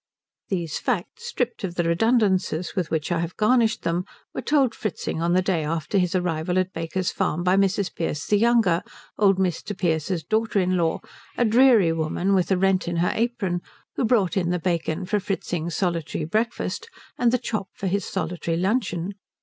These facts, stripped of the redundances with which I have garnished them, were told Fritzing on the day after his arrival at Baker's Farm by Mrs. Pearce the younger, old Mr. Pearce's daughter in law, a dreary woman with a rent in her apron, who brought in the bacon for Fritzing's solitary breakfast and the chop for his solitary luncheon.